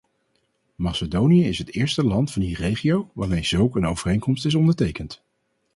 Macedonië is het eerste land van die regio waarmee zulk een overeenkomst is ondertekend.